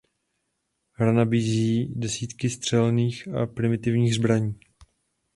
Hra nabízí desítky střelných a primitivních zbraní.